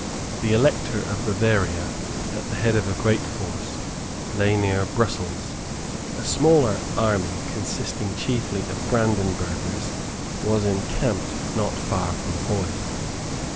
The Elector of Bavaria, at the head of a great force, lay near Brussels. A smaller army, consisting chiefly of Brandenburghers was encamped not far from Huy.